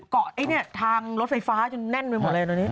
ไอ้เนี่ยทางรถไฟฟ้าจนแน่นไปหมดเลยตอนนี้